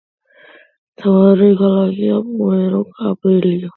მთავარი ქალაქია პუერტო-კაბელიო.